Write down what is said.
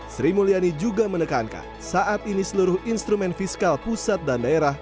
sri mulyani juga menekankan saat ini seluruh instrumen fiskal pusat dan daerah